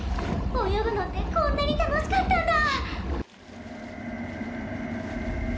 泳ぐのってこんなに楽しかったんだ！